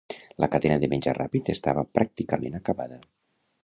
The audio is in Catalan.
La cadena de menjar ràpid estava pràcticament acabada.